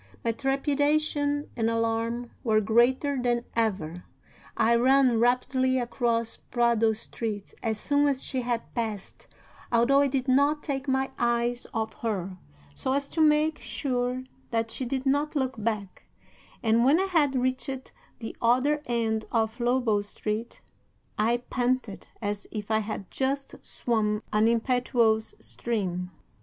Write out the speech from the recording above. My trepidation and alarm were greater than ever. I ran rapidly across Prado Street as soon as she had passed, although I did not take my eyes off her, so as to make sure that she did not look back, and, when I had reached the other end of Lobo Street, I panted as if I had just swum an impetuous stream.